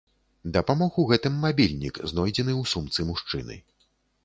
Дапамог у гэтым мабільнік, знойдзены ў сумцы мужчыны.